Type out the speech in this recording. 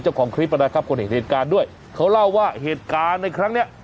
เจ้าของคลิปนะครับคนเห็นเหตุการณ์ด้วยเขาเล่าว่าเหตุการณ์ในครั้งเนี้ย